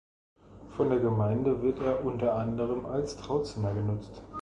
Von der Gemeinde wird er unter anderem als Trauzimmer genutzt.